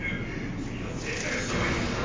次の斉射でしとめ！！